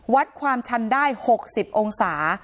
วัดความชันได้๖๐องศา